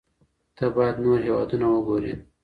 ته باید نور هیوادونه وګورې.